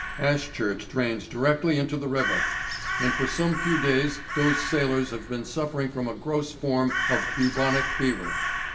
Ashchurch drains directly into the river. And for some few days those sailors have been suffering from a gross form of bubonic fever.